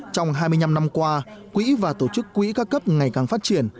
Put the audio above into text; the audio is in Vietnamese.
trong hai mươi năm năm qua quỹ và tổ chức quỹ các cấp ngày càng phát triển